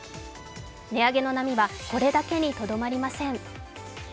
値上げの波はこれだけに留まりません。